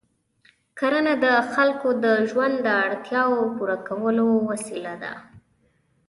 کرنه د خلکو د ژوند د اړتیاوو پوره کولو وسیله ده.